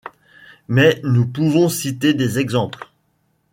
Mais nous pouvons citer des exemples.